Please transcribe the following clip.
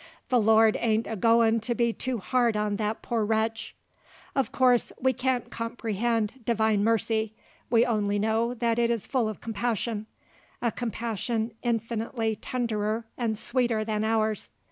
The Lord ain't a goin' to be too hard on that poor wretch. Of course we can't comprehend Divine mercy; we only know that it is full of compassion, a compassion infinitely tenderer and sweeter than ours.